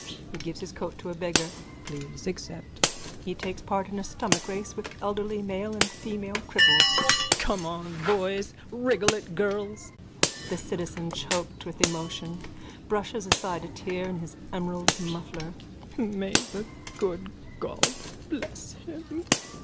(He gives his coat to a beggar.) Please accept. (He takes part in a stomach race with elderly male and female cripples.) Come on, boys! Wriggle it, girls! THE CITIZEN: (Choked with emotion, brushes aside a tear in his emerald muffler.) May the good God bless him!